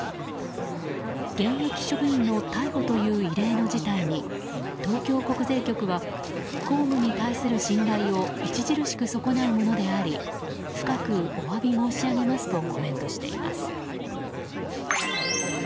現役職員の逮捕という異例の事態に東京国税局は公務に対する信頼を著しく損なうものであり深くお詫び申し上げますとコメントしています。